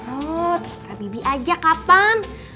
oh terserah bibi aja kapan